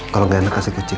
kalau nggak enak kasih kecil